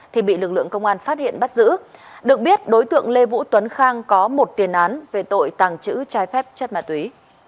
thì bị lực lượng công an phát hiện bắt giữ được biết đối tượng lê vũ tuấn khang có một tiền án về tội tàng trữ trái phép chất ma túy